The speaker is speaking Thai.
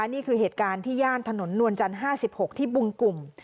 นี่คือเหตุการณ์ที่ย่านถนนนวลจันทร์๕๖ที่บึงกลุ่ม